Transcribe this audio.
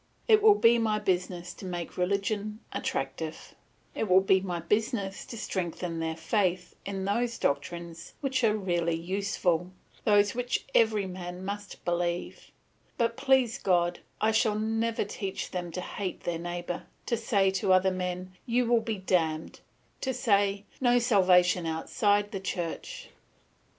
It will be my business to make religion attractive; it will be my business to strengthen their faith in those doctrines which are really useful, those which every man must believe; but, please God, I shall never teach them to hate their neighbour, to say to other men, You will be damned; to say, No salvation outside the Church.